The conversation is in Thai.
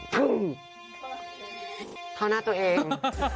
เท่าหน้าตัวเอง